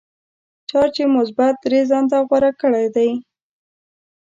چارج یې مثبت درې ځانته غوره کړی دی.